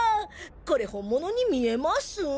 これ本モノに見えます？